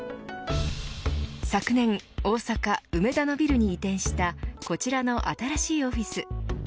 昨年、大阪梅田のビルに移転したこちらの新しいオフィス。